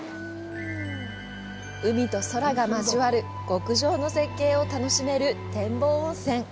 海と空が交わる極上の絶景を楽しめる展望温泉。